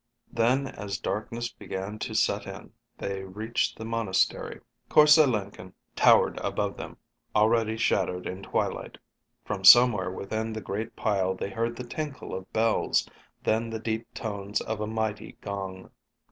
Then, as darkness began to set in, they reached the monastery. Korse Lenken towered above them, already shaded in twilight. From somewhere within the great pile they heard the tinkle of bells, then the deep tones of a mighty gong.